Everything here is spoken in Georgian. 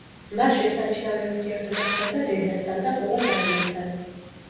მას შესანიშნავი ურთიერთობა ჰქონდა დედასთან და ყველა და-ძმასთან.